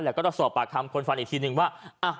แล้วก็จะสอบปากคำคนฟันอีกทีนึงว่า